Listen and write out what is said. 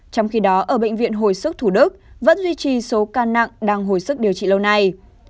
trong khi đó ở bệnh viện hồi sức thủ đức vẫn duy trì số ca nặng đang hồi sức điều trị lâu nay